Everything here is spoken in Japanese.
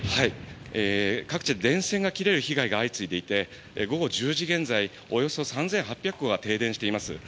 各地で電線が切れる被害が相次いでいて午後１０時現在およそ３８００戸が停電しています。